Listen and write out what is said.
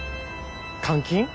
監禁？